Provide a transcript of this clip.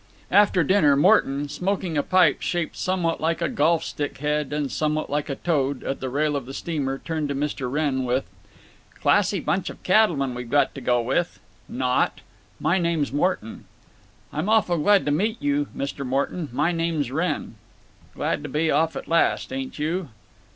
After dinner Morton, smoking a pipe shaped somewhat like a golf stick head and somewhat like a toad, at the rail of the steamer, turned to Mr. Wrenn with: "Classy bunch of cattlemen we've got to go with. Not!… My name's Morton." "I'm awful glad to meet you, Mr. Morton. My name's Wrenn." "Glad to be off at last, ain't you?"